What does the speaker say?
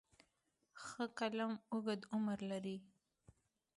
ښه قلم اوږد عمر لري.